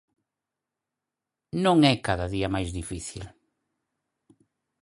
Non é cada día máis difícil.